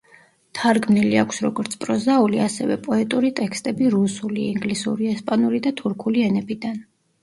თარგმნილი აქვს როგორც პროზაული, ასევე პოეტური ტექსტები რუსული, ინგლისური, ესპანური და თურქული ენებიდან.